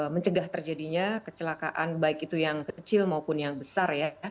mencegah terjadinya kecelakaan baik itu yang kecil maupun yang besar ya